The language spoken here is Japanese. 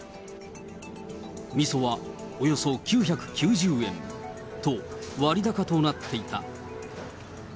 みそはおよそ９９０円。と、割高となっていた。